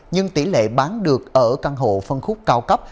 nhưng tỷ lệ bán được ở căn hộ phân khúc cao cấp